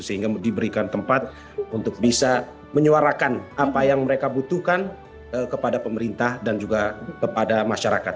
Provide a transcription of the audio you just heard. sehingga diberikan tempat untuk bisa menyuarakan apa yang mereka butuhkan kepada pemerintah dan juga kepada masyarakat